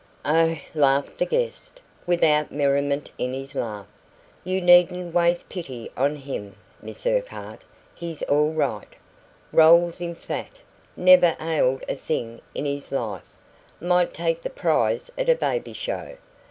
"Oh," laughed the guest, without merriment in his laugh, "you needn't waste pity on HIM, Miss Urquhart; he's all right. Rolls in fat never ailed a thing in his life might take the prize at a baby show.